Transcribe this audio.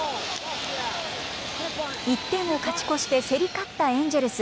１点を勝ち越して競り勝ったエンジェルス。